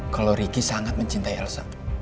kalau ricky sangat mencintai elsa